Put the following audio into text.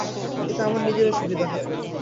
এতে আমার নিজেরও সুবিধা হয়।